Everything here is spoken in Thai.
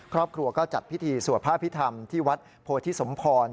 ครอบครัวก็จัดพิธีสวดพระอภิษฐรรมที่วัดโพธิสมพร